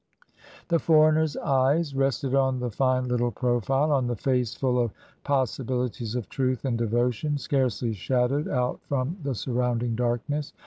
The foreigner's eyes rested on the fine little profile — on the face full of possibilities of truth and devotion — scarcely shadowed out from the surrounding darkness.